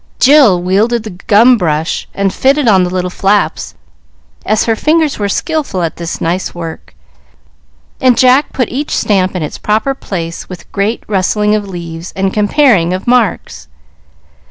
Jill wielded the gum brush and fitted on the little flaps, as her fingers were skilful at this nice work, and Jack put each stamp in its proper place with great rustling of leaves and comparing of marks.